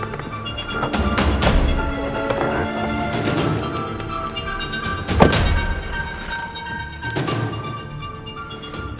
aku sampai ngejepit